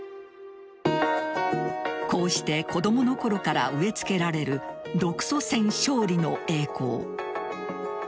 こうして子供のころから植え付けられる独ソ戦勝利の栄光。